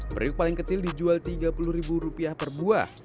periuk paling kecil dijual rp tiga puluh per buah